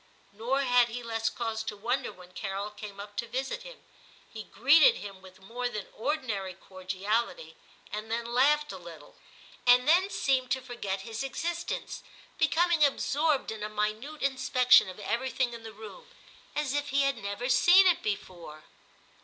Nor had he less cause to wonder when Carol came up to visit him ; he greeted him with more than ordinary cordiality, and then laughed a little, and then seemed to forget his existence, becoming absorbed in Q 226 TIM CHAP. a minute inspection of everything in the room, as if he had never seen it before.